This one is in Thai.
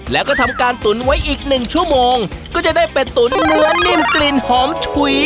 แล้วก็ทำการตุ๋นไว้อีกหนึ่งชั่วโมงก็จะได้เป็ดตุ๋นเนื้อนิ่มกลิ่นหอมฉุย